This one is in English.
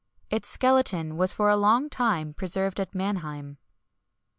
Its skeleton was for a long time preserved at Mannheim.